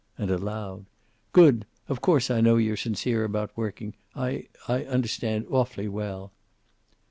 And aloud: "Good! Of course I know you're sincere about working. I I understand, awfully well."